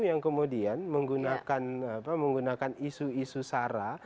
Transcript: yang kemudian menggunakan isu isu sara